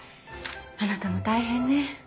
あなたも大変ね。